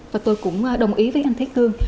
và tôi cũng đồng ý với anh thế cương